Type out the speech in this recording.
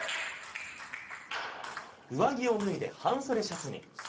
上着を脱いで、半袖シャツに。